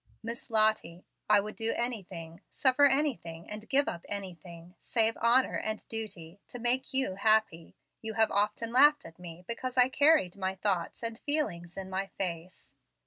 Miss Lottie, I would do anything, suffer anything, and give up anything, save honor and duty, to make you happy. You have often laughed at me because I carried my thoughts and feelings in my face.